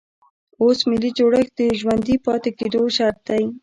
اوس ملي جوړښت د ژوندي پاتې کېدو شرط دی.